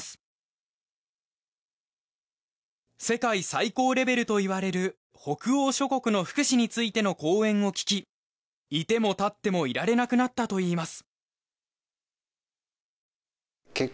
世界最高レベルといわれる北欧諸国の福祉についての講演を聞き居ても立っても居られなくなったといいます。